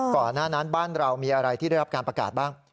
ก่อนหน้านั้นบ้านเรามีอะไรที่ได้รับการประกาศบ้าง